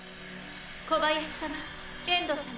小林様遠藤様。